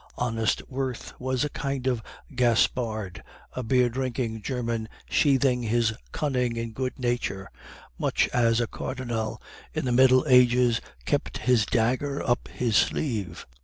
Honest Wirth was a kind of Gaspard, a beer drinking German sheathing his cunning in good nature, much as a cardinal in the Middle Ages kept his dagger up his sleeve.